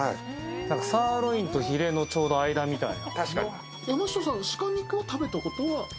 サーロインとヒレのちょうど間みたいな。